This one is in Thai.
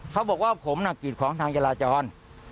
เขาบอกว่าผมน่ะกรีดของทางจราจร